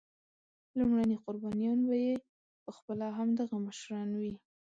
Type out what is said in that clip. لومړني قربانیان به یې پخپله همدغه مشران وي.